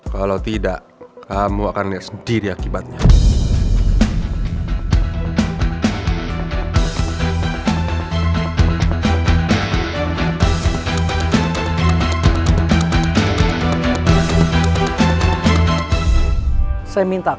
kalau tidak kamu akan lihat sendiri akibatnya